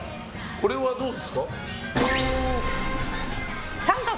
これはどうですか？